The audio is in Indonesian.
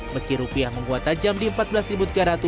meski rupiah membuat tajam di rp empat belas tiga ratus